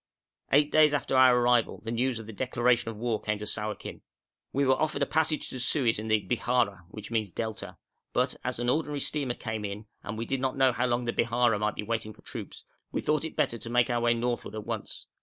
Eight days after our arrival the news of the declaration of war came to Sawakin. We were offered a passage to Suez in the Behera (which means delta), but as an ordinary steamer came in, and we did not know how long the Behera might be waiting for troops, we thought it better to make our way northward at once.